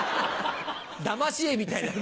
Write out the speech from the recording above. だまし絵みたい。